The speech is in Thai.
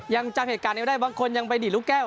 ยังจังเหตุการณ์บางคนยังไปดิ่งรุ่นแก้ว